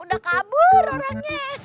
udah kabur orangnya